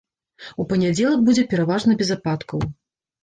У панядзелак будзе пераважна без ападкаў.